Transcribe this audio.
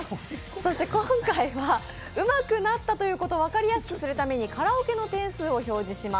そして、今回は、うまくなったということを分かりやすくするためにカラオケの点数を表示します。